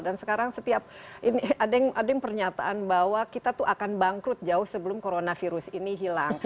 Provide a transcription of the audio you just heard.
dan sekarang setiap ada yang pernyataan bahwa kita tuh akan bangkrut jauh sebelum corona virus ini hilang